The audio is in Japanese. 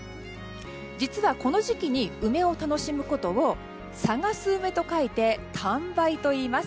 実は、この時期に梅を楽しむことを探す梅と書いて探梅といいます。